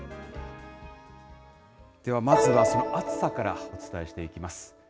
ではまずは、その暑さからお伝えしていきます。